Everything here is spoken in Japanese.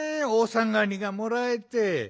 おさがりがもらえて。